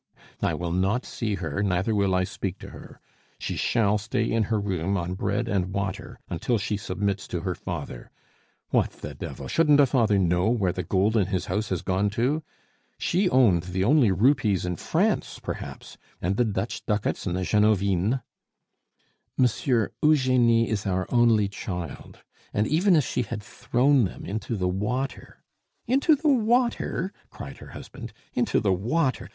"I will not see her, neither will I speak to her. She shall stay in her room, on bread and water, until she submits to her father. What the devil! shouldn't a father know where the gold in his house has gone to? She owned the only rupees in France, perhaps, and the Dutch ducats and the genovines " "Monsieur, Eugenie is our only child; and even if she had thrown them into the water " "Into the water!" cried her husband; "into the water!